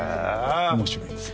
面白いんですよ。